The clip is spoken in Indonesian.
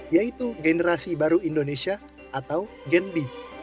yaitu generasi baru indonesia atau genbi